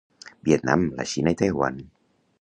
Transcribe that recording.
Vietnam, la Xina i Taiwan.